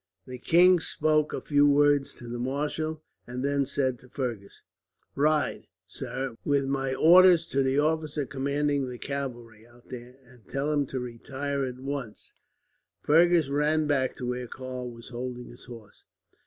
The king spoke a few words to the marshal, and then said to Fergus: "Ride, sir, with my orders to the officer commanding the cavalry out there, and tell him to retire at once." Fergus ran back to where Karl was holding his horse.